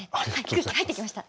空気入ってきました。